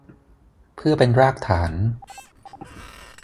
เพื่อเป็นรากฐาน